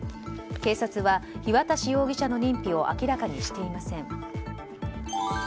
警察は日渡容疑者の認否を明らかにしていません。